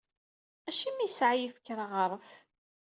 Acimi i yesɛa yifker aɣaref.